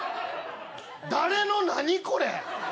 誰の何、これ？